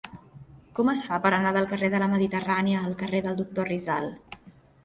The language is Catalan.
Com es fa per anar del carrer de la Mediterrània al carrer del Doctor Rizal?